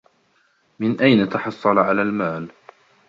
من أين تحصل على المال؟